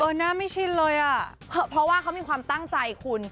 หน้าไม่ชินเลยอ่ะเพราะว่าเขามีความตั้งใจคุณ